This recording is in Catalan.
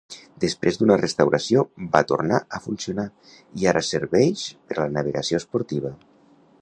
Després d'una restauració va tornar a funcionar i ara serveix per a la navegació esportiva.